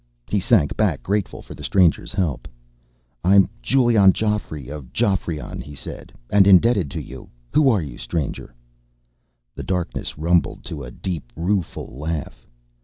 He sank back, grateful for the stranger's help. "I'm Giulion Geoffrey of Geoffrion," he said, "and indebted to you. Who are you, stranger?" The darkness rumbled to a deep, rueful laugh.